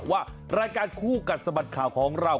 ว่ารายการคู่กัดสะบัดข่าวของเรา